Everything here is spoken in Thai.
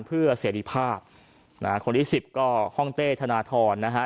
เพื่อเสรีภาพนะฮะคนที่สิบก็ห้องเต้ธนทรนะฮะ